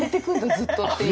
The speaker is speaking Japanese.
ずっとっていう。